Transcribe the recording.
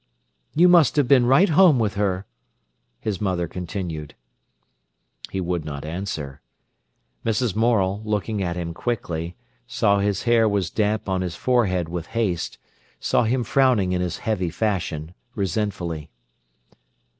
"You must have been right home with her," his mother continued. He would not answer. Mrs. Morel, looking at him quickly, saw his hair was damp on his forehead with haste, saw him frowning in his heavy fashion, resentfully.